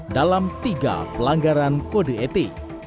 dalam tiga pelanggaran kode etik